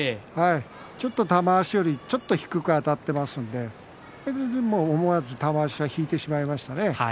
ちょっと玉鷲よりちょっと低くあたってますので思わず玉鷲は引いてしまいましたね。